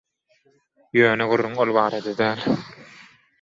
Ýöne gürrüň ol barada däl.